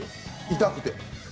痛くて。